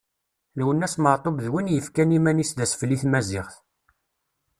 Lwennas Meɛtub d win yefkan iman-is d asfel i tmaziɣt.